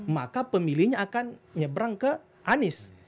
maka pemilihnya akan nyebrang ke anies